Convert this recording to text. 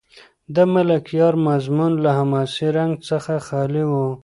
د ملکیار مضمون له حماسي رنګ څخه خالي و.